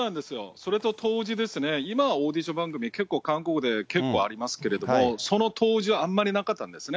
それと、当時ですね、今はオーディション番組、結構韓国で、結構ありますけれども、その当時はあんまりなかったんですね。